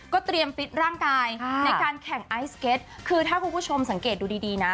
เตรียมฟิตร่างกายในการแข่งไอซ์เก็ตคือถ้าคุณผู้ชมสังเกตดูดีดีนะ